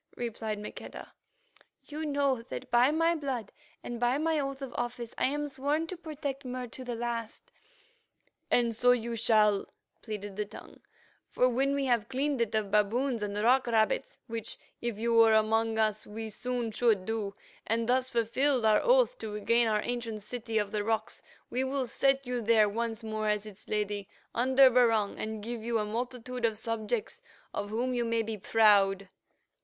replied Maqueda. "You know that by my blood and by my oath of office I am sworn to protect Mur to the last." "And so you shall," pleaded the Tongue, "for when we have cleaned it of baboons and rock rabbits, which, if you were among us, we soon should do, and thus fulfilled our oath to regain our ancient secret City of the Rocks, we will set you there once more as its Lady, under Barung, and give you a multitude of subjects of whom you may be proud."